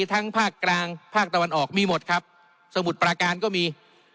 ภาคกลางภาคตะวันออกมีหมดครับสมุทรปราการก็มี